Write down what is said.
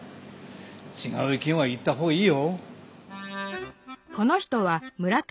ちがう意見は言った方がいいよ。